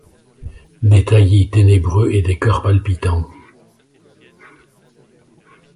Des taillis ténébreux et des coeurs palpitants.